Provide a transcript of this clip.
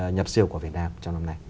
nhập siêu của việt nam trong năm nay